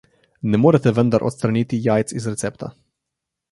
Ne morete vendar odstraniti jajc iz recepta.